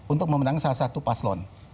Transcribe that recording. untuk memenangkan salah satu paslon